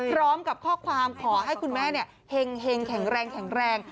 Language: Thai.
พร้อมกับข้อความขอให้คุณแม่แข็งแรง